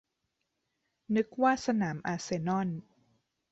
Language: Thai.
- นึกว่าสนามอาร์เซนอล